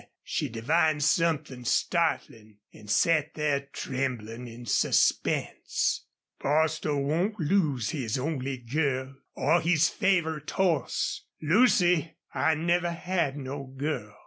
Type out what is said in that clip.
She divined something startling, and sat there trembling in suspense. "Bostil won't lose his only girl or his favorite hoss! ... Lucy, I never had no girl.